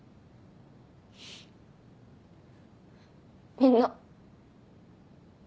みんな。